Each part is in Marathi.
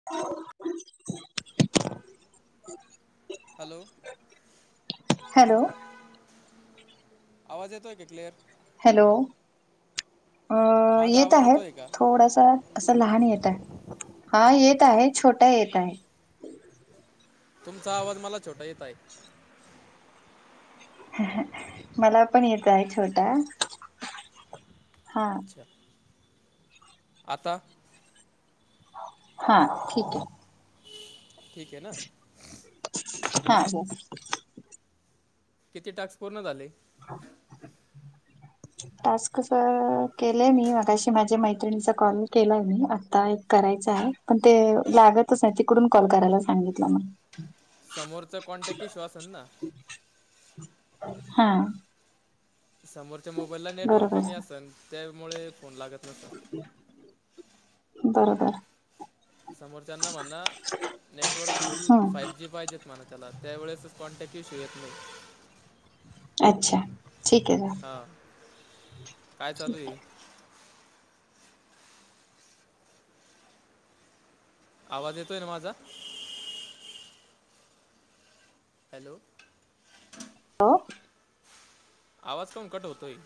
[unintelligible] हॅलो. हॅलो आवाज येतोय का क्लिअर हॅलो माझा येत आवाज आहेत येतोय का थोडासा असं लहान येत आहे हा येत आहे छोटा येत आहे. तुमचा आवाज मला छोटा येत आहे. मला पण येतं आहे छोटा हा. अच्छा आता- हा ठीक आहे. ठीक आहे ना. हा किती तास पूर्ण झाले हो [inaudible] टास्क सर केले आहे मी मागाशी माझ्या मैत्रिणीचा कॉल केला आहे मी आत्ता एक करायचं आहे पण ते लागतच आहे तिकडून कॉल करायला सांगितलं मग समोरचं कोॉण्टॅक् की श्वासन ना हा समोरच्या मोबाईलला नेटवर्क बरोबर कमी असत त्यामुळे फोन लागत नसत बरोबर समोरच्याना म्हणणा नेटवर्क फुल हम्म फाईव जी पाहिजेत मानासाला त्यावेळेस स्पॉन्टॅक्ट शि येत नाही अच्छा ठीक आहे ह काय चालू आहे आवाज येतोय ना माझा हॅलो होॅ आवाज पण कट होतोय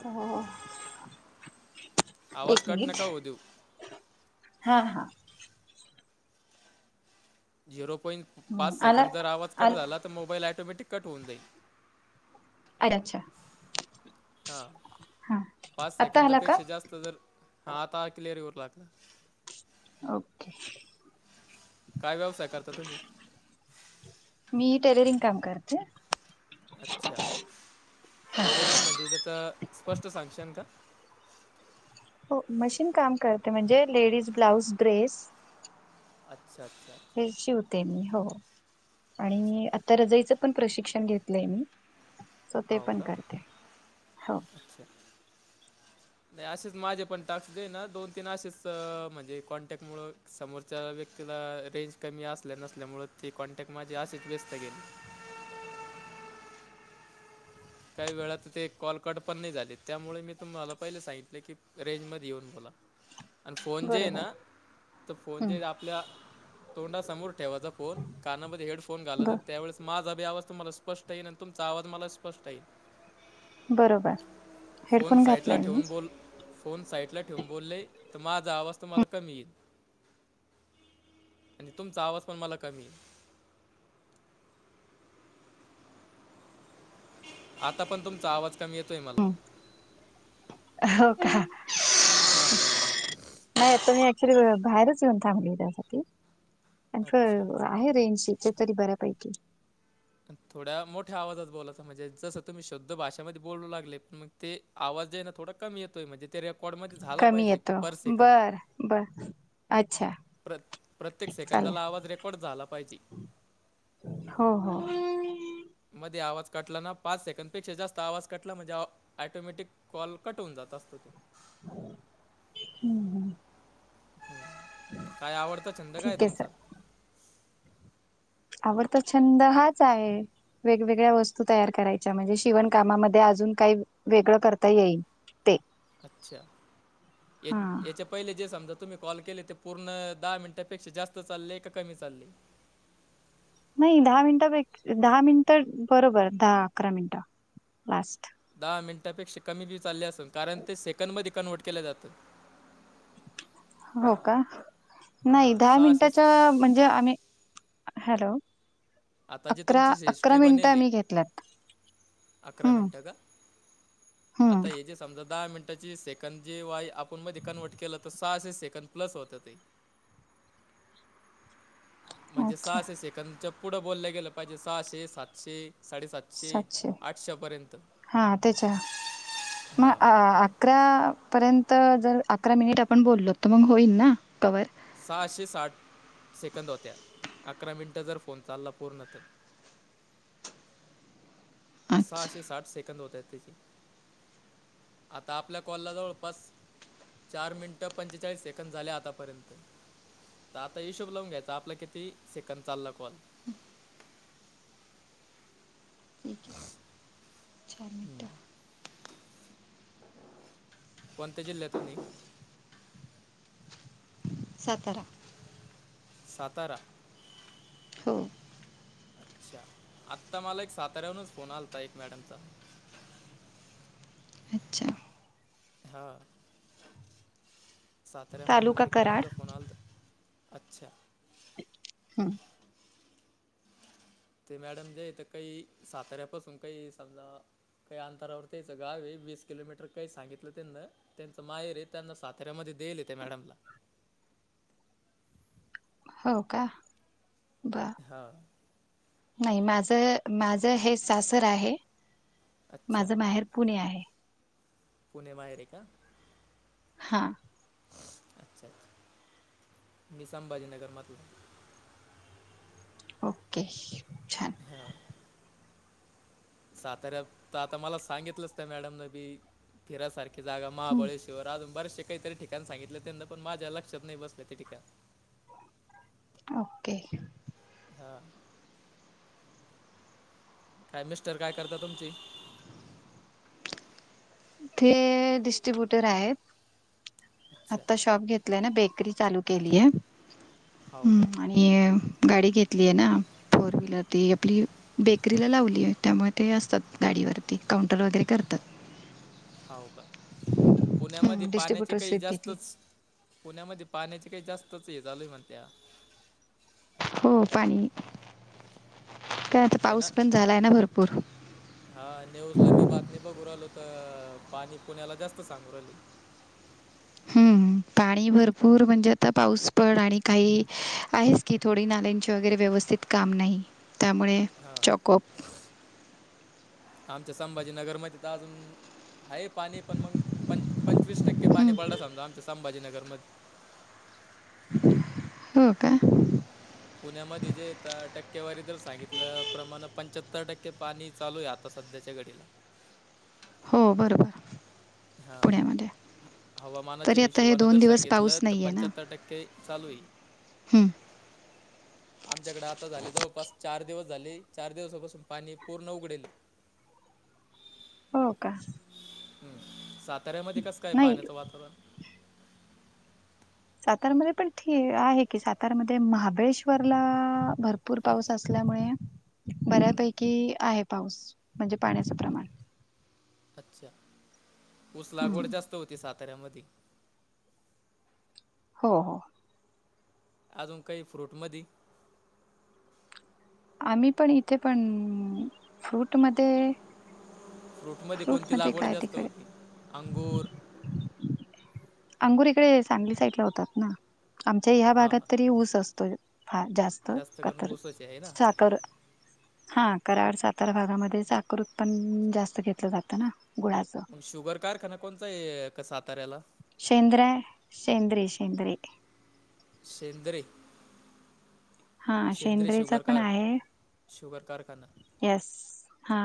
ह एक आवाज कट मिनिट नका होऊ देऊ हा हा झिरो पॉईंट हम्म, पाच आला सेकंड जर आवाज कट आल झाला तर मोबाईल ॲटोमॅटिक कट होऊन जाईल अरे अच्छा. हा हा पाच आता आला का सेकदापेक्षा जास्त जर हा आता क्लिअर होऊ लागला. ओके. काय व्यवसाय करता तुम्ही? मी टेलरिंग काम करते. अच्छा टेररिंग म्हणजे त्याच स्पष्ट सांगशन का? हो मशीन काम करते म्हणजे लेडीज ब्लाऊज, ड्रेस, अच्छा अच्छा. ते अच्छा शिवते मी हो. अच्छा. आणि आता रजाईचं पण प्रशिक्षण घेतलंय मी. स ते हो पण का करते हो. अच्छा [inaudible] नाही असेच माझे पण टाक्स दोन, तीन असेच म्हणजे कॉन्टॅक्ट मुळ समोर त्याच्या व्यक्तीला रेंज कमी असल्या नसल्यामुळे ती कॉन्टॅक्ट माझी अशीच व्यस्त गेले. काही वेळात ते कॉलकट पण नाही झाले त्यामुळे मी तुम्हाला पहिले सांगितले की रेंज मध्ये येऊन बोला. आणि फोन जे आहे बरोबर ना तर फोन जे हम्म आपल्या तोंडासमोर ठेवायचा फोन कानामध्ये हेडफोन घालाचा ब त्यावेळेस माझा अभी आवाज तुम्हाला स्पष्ट येईल आणि तुमचा आवाज मला स्पष्ट येईल. बरोबर फोन हेडफोन साईटला घातलाय मी ठेवून बोल फोन साईट ला ठेवून बोलले तर माझा आवाज तुम्हाला कमी येईल. आणि तुमचा आवाज पण मला कमी आता पण तुमचा आवाज कमी येतोय मला. हम्म, हो का. हां. नाही तो मी ऍक्च्युली बाहेरच येऊन थांबली त्यासाठी अच्छा आहे रेंजशी इथे तरी बऱ्यापैकी. थोड्या मोठ्या आवाजात बोलायच म्हणजे जसं तुम्ही शुद्ध भाषेमध्ये बोलू लागले पण मग ते आवाजजे आहेना थोडा कमी येतोय म्हणजे ते रॅप रेकॉर्ड मध्ये झाला कमी पाहिजे येतो पर सेकंद. बर बर अच्छा. प्र प्रत्येक चालेल सेकंदाला आवाज रेकॉर्ड झाला पाहिजे. हो हो. मध्ये आवाज काटला ना पाच सेकंड पेक्षा जास्त आवाज काटला म्हणजे. ॲटोमॅटिक कॉल कट होवुन जात असतो ते. हम्म हम्म. ताई आवडता छंद काय ठीक आहे सर तुमचा? आवडता छंद हाच आहे. वेगवेगळ्या वस्तू तयार करायच्या म्हणजे शिवणकामामध्ये अजून काही वेगळं करता येईल. ते अच्छा या हा याच्या पहिले जे समजा तुम्ही कॉल केले ते पूर्ण दहा मिनिटांपेक्षा जास्त चाललेय का कमी चालले? नाही दहा मिनिटपैकी दहा मिनिटं बरोबर दहा, अकरा मिनिटं लास्ट. दहा मिनिटांपेक्षा कमी बीव चालले असून कारण ते सेकंडमध्ये कन्व्हर्ट केले जात. हो का नाही हां दहा सहाशे मिनिटाच्या म्हणजे आम्ही हॅलो. आता जी अकरा तुमची अकरा हिस्ट्री मिनिटं बनेल आहे आम्ही घेतल्यात अकरा हम्म मिनिटं का? आता हम्म हे जे समजा दहा मिनिटाची सेकंद जे वाय आपण मध्ये कन्वर्ट केलं तर सहाशे सेकड प्लस होत ते. म्हणजे अच्छा सहाशे सेकंदच्या पुढं बोललं गेलं पाहिजे सहाशे, सातशे, साडेसातशे सातशे आठशेपर्यंत हा तेच हां मग अकरा पर्यंत जर अकरा मिनिट आपण बोललो तर मग होईल ना कवर? सहाशे साठ सेकंद होत्या अकरा मिनटं जर फोन चालला पूर्ण तर अच्छा सहाशे साठ सेकंद होत आहेत त्याची आता आपल्या कॉलला जवळपास. चार मिनिटं पंचेचाळीस सेकंड झाले आतापर्यंत. तर आता हिशोब लावून घ्यायचा आपला किती सेकद चालला कॉल. ठीक आहे चार हम्म. मिनिटं कोणत्या जिल्ह्यातून. सातारा. सातारा. हो. अच्छा आत्ता मला एक साताऱ्याहूनच फोन आलता एक मॅडमचा. अच्छा. हा तालुका साताऱ्यामधूनच एक कराड. मॅडमचा फोन आलता. अच्छा. हम्. ते मॅडम जे इथ काही साताऱ्यापासून काही समजा काही अंतरावर त्यायचं गावे वीस किलोमीटर काही सांगितलं त्यांना. त्यांच माहेर ये त्यांना साताऱ्यामध्ये देल त्या मॅडमला हो का ब हा. नाही माझ माझं हे सासर आहे अच्छा माझ माहेर पुणे आहे. पुणे माहेर ऐका. हा. अच्छा मी संभाजी नगरमधला. ओके. छान. ह. साताऱ्यात त आता मला सांगितलंच त्या मॅडम न की फिरासारखी जागा हं. महाबळेश्वर. अजून बरेचसे काहीतरी ठिकाण सांगितले त्यांना पण माझ्या लक्षात नाही बसल्या ते ठिकाण. ओके. हा. काय मिस्टर काय करता तुमचे. ते डिस्ट्रीब्यूटर आहेत. अच्छा आता शॉप घेतलाय ना बेकरी चालू केलीये. हो का आणि गाडी घेतली आहे ना. फोर व्हीलर ती आपली बेकरीला लावली आहे त्यामुळे ते असतात गाडीवर. ते काउंटर वगैरे करतात. हाव का पुण्यामध्ये हं पाण्याचे काही डिस्ट्रीब्युटरशिप घेतली. जास्तच. पुण्यामध्ये पाण्याचे काही जास्तच हे झालय मण त्या हो पाणी काय आता पाऊस पण झालाय ना भरपूर. हा न्यूज ला मी बातमी बघू राहिलो तर पाणी पुण्याला जास्त सांगू राहिले. हम्म पाणी भरपूर म्हणजे आता पाऊस पण आणि काही आहेच. की थोडी नाल्यांचे वगैरे व्यवस्थित काम नाही त्यामुळे हा चॉकअप. आमच्या संभाजीनगरमध्ये तर अजून. हाये पाणी पण मग पं पंचवीस टक्के पाणी हं. पडलं समजा आमच्या संभाजीनगर मध्ये. हो का. पुण्यामध्ये जे टक्केवारी जर सांगितलं प्रमाण पंच्याहत्तर टक्के पाणी चालू आहे आता. आता सध्याच्या घडीला. हो बरोबर हां पुण्यामध्ये. हवामानाच्या तरी आता हे हिशोबानें जर दिवस सांगितलं पाऊस तर नाहीये पंच्याहत्तर टक्के चालू आहे. हम्म. आमच्याकडे आता झाले जवळपास चार दिवस झाले चार दिवसापासून पाणी पूर्ण उघडेल हो का? हम् साताऱ्यामध्ये कस काय नाही पाण्याचं वातावरण? सातार्यामध्ये पण ठी आहे की सातारामध्ये महाबळेश्वरला भर पूर पाऊस असल्यामुळे हम्म. बऱ्यापैकी आहे पाऊस म्हणजे पाण्याचं प्रमाण. अच्छा ऊस हं. लागवड जास्त होती साताऱ्यामध्ये हो हो. अजून काही फ्रूट मधी? आम्ही पण इथे पण फ्रूटमध्ये कोणती फ्रूटमध्ये लागवड काय जास्त तिकडे? होती अंगूर अंगूर इकडे सांगली साईड ला होतात ना? आमच्या ह्या हां भागात तरी ऊस असतो. फार जास्त करून कतर ऊसाची आहे ना साखर हा कराड सातारा भागामध्ये साकर उत्पन जास्त घेतलं जातं ना गुळाचं. शुगर कारखाना कोणचा आहे का साताऱ्याला? सेंद्रा हाय शेंद्रे शेंद्रे शेंद्रे. हा शेंद्र शेंद्रेचा शुगर पण कार आहे शुगर कारखाना येस हा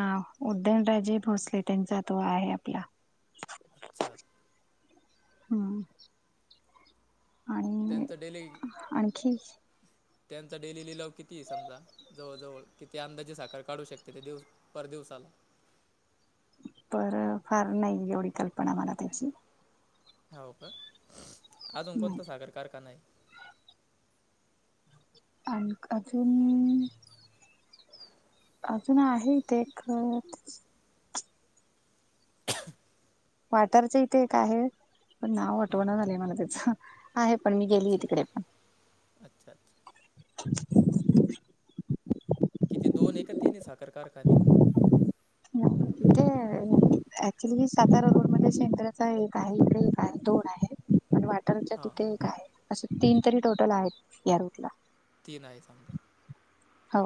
उदयनराजे भोसले त्यांचा तो आहे आपला. अच्छा हम त्यांच डेली त्यांचा डेली लिलाव किती आहे समजा? जवळजवळ किती अंदाजे साखर काढू शकते ते दिवस पर दिवसाला? पर फार नाही एवढी कल्पना मला त्याची हो का अजून नाही. कोणता सागर कारखाना आहे? आण अजून अजून आहे इथे एक [inaudible] वाटारच इथे एक आहे पण नाव हम्म, आठवण झालंय मला त्याच. आहे पण मी गेली अच्छा तिकडे पण अच्छा अच्छा किती दोन आहे का तीन साखर कारखाने? इथे अक्च्युली मी सातारा रोड मध्ये शेंद्र्याचा एक आहे इकडे एक आहे दोन आहे. पण वाटारच्या हां तिथे एक आहे असं तीन तरी टोटल आहेत या रूट ला. तीन आहे समजा हो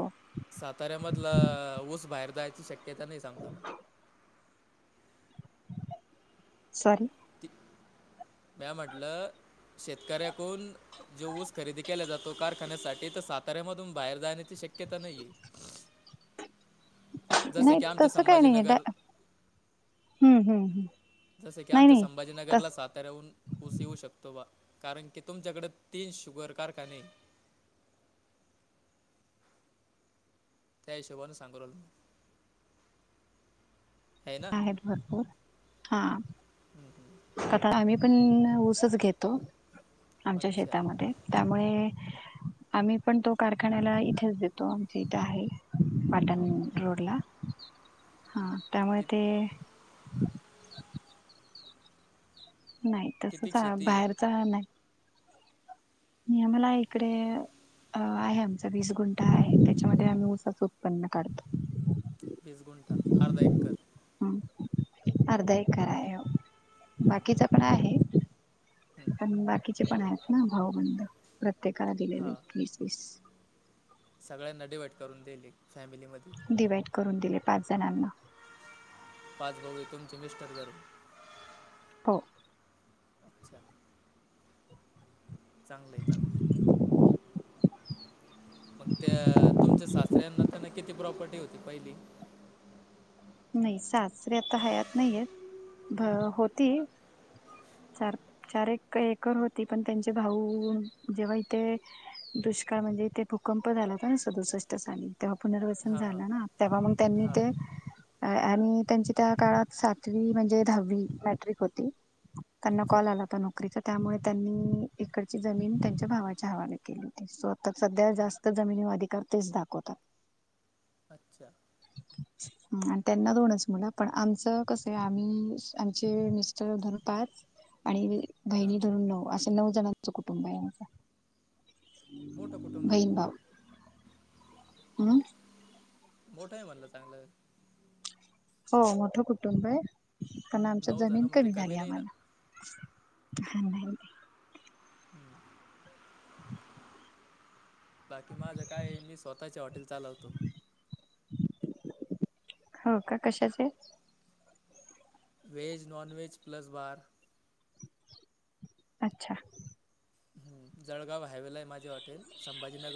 साताऱ्यामधलं ऊस बाहेर जायची शक्य तेता नाही सांगता मग सरी म्या म्हटलं शेतकऱ्याकून जो ऊस खरेदी केल्या जातो कार ण्या तर साताऱ्यामधून बाहेर जाण्याची शक्यता नाहीये. नाही की आमच्या तसं काई नाहीये डा संभाजीनगर हम्म हम्म हम् नाही नाही तस त्याहून ऊस येऊ शकतो बा कारण की तुमच्याकडे तीन शुगर कारखाने त्या हिशोबाने सांगू राहिलो मी. आहे ना आहेत भरपूर हा. आता आम्ही पण ऊसच घेतो आमच्या अच्छा शेतामध्ये. त्यामुळे आम्ही पण तो कारखान्याला इथेच देतो आमच्या इथे आहे. पाटण हो का रोडला हा त्यामुळे कि ते. नाही किती तसच शेती बाहेर आहे जा नाही यमला इकडे अ आहे. आमचा वीस गुंठा आहे. त्याच्यामध्ये आम्ही उसाचं उत्पन्न काढतो. वीस गुटां, अर्धा एकर. ह, अर्धा एकर आहे. बाकीच पण आहे. पण, बाकीचे पण आहेत ना भावबंद. प्रत्येकाला दिलेले हां वीस वीस. सगळ्यांना डिवाईट करून दियले. फॅमिलीमध्ये. डिवाइट करून दिले. पाच जणांना. पाचभऊये तुमचे मिस्टर धरुन. हो. अच्छा चांगलंय चांगलय, मग त्या तुमच्या सासऱ्यांना त्यांना किती प्रॉपर्टी होती. पहिली. नाही. सासरे आता हयात नाहीयेत. होती. चार चार एक एकर होती. पण त्यांचे भाऊ, जेव्हा इथे दुष्काळ म्हणजे, ईथे भूकंप झाला होता ना, सदुसष्ट साली. तेव्हा पुनर्वसन हां हां झालं ना. तेव्हा मग त्यांनी हां ते, आणि त्यांची त्या काळात. सातवी म्हणजे दहावी मॅट्रिक होती. त्यांना अच्छा कॉल आला होता. नो करीचा. त्यामुळे त्यांनी एकडची जमीन त्यांच्या भावाच्या हवाले केली होती. सो आता सध्या जास्त त जमिनीवर आधिकार तेच दाखवतात. अच्छा. म [unintelligible] त्यांना दोनच मुलं. पण आमचं कसय. आम्ही, आमचे मिस्टर धरुन पाच, आणि बहिणी हां धरून नऊ, असे नऊ जणांच कुटुंब आहे माझं. मोठं कुटुंब आहे बहीन मग. भाव. अ मोठय म्हणलं चांगलं. हो मोठं कुटुंबय. पण आमच्या नऊ जमीन जणं म्हणजे कमी झाली नाही ना आम्हाला. ह, नाही. नाही. हवा [inaudible] बाकी माझं काय, मी स्वतःच्या हॉटेल चालवतो. हो का? कशाचे. Veg, non veg, plus bar. अच्छा. हम्म. जळगाव हावेलाय माझे हॉटेल. संभाजीनगर